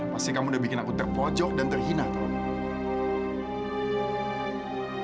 pasti kamu udah bikin aku terpojok dan terhina tahu